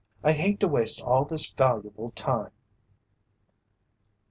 "I'd hate to waste all this valuable time."